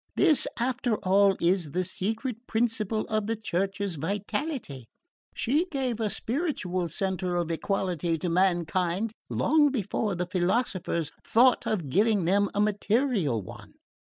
This, after all, is the secret principle of the Church's vitality. She gave a spiritual charter of equality to mankind long before the philosophers thought of giving them a material one.